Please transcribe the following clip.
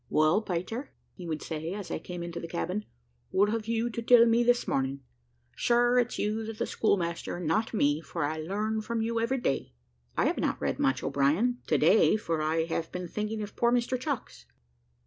"Well, Peter," he would say, as became into the cabin, "what have you to tell me this morning? Sure it's you that's the schoolmaster, and not me for I learn from you every day." "I have not read much, O'Brien, to day, for I have been thinking of poor Mr Chucks."